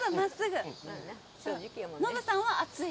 ノブさんは熱い？